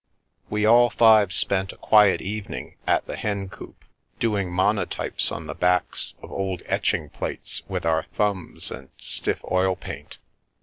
We all five spent a quiet evening at the Hencoop, do ing monotypes on the backs of old etching plates with our thumbs and stiff oil paint.